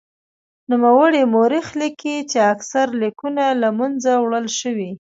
نوموړی مورخ لیکي چې اکثر لیکونه له منځه وړل شوي.